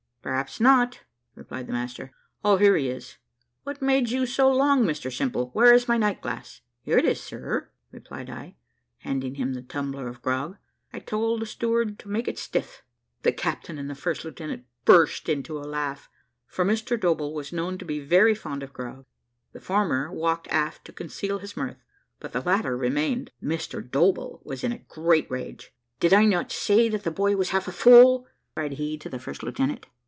"Perhaps not," replied the master. "O, here he is. What made you so long, Mr Simple where is my night glass?" "Here it is, sir," replied I, handing him the tumbler of grog; "I told the steward to make it stiff." The captain and the first lieutenant burst out into a laugh for Mr Doball was known to be very fond of grog; the former walked aft to conceal his mirth; but the latter remained. Mr Doball was in a great rage. "Did I not say that the boy was half a fool?" cried he to the first lieutenant.